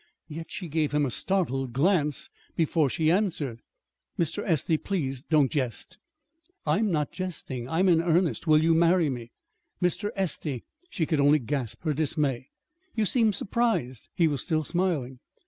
Yet she gave him a startled glance before she answered. "Mr. Estey, please don't jest!" "I'm not jesting. I'm in earnest. Will you marry me?" "Mr. Estey!" She could only gasp her dismay. "You seem surprised." He was still smiling.